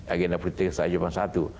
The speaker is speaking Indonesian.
agenda politik saya cuma satu